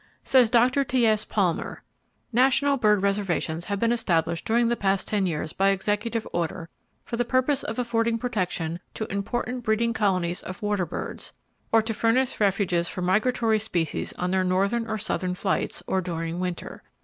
—Says Dr. T.S. Palmer [M] : "National bird reservations have been established during the last ten years by Executive order for the purpose of affording protection to important breeding colonies of water birds, or to furnish refuges for migratory species on their northern or southern flights, or during winter.